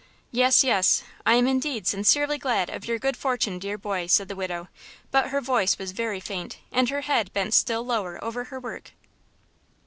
"Yes, yes; I am indeed sincerely glad of your good fortune, dear boy," said the widow; but her voice was very faint and her head bent still lower over her work.